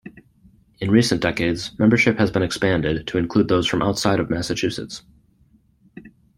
In recent decades membership has been expanded to include those from outside of Massachusetts.